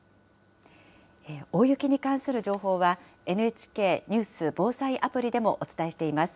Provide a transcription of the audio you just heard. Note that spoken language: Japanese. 大雪に関する情報は、ＮＨＫニュース・防災アプリでもお伝えしています。